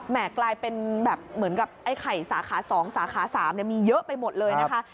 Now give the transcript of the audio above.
กลายเป็นแบบเหมือนกับไอ้ไข่สาขา๒สาขา๓มีเยอะไปหมดเลยนะคะ